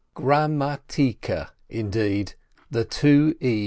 Gra ma ti ke, indeed! The two e's!